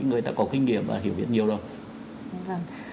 người ta có kinh nghiệm và hiểu biết nhiều rồi